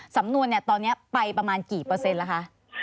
สำนวนตอนนี้ไปประมาณกี่เปอร์เซ็นต์แล้วคะ